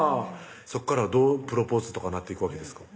そこからどうプロポーズとかなっていくわけですか？